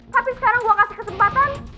tapi sekarang gue kasih kesempatan